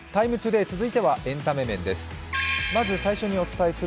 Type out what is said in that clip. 「ＴＩＭＥ，ＴＯＤＡＹ」続いてはエンタメ面です。